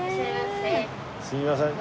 すいません。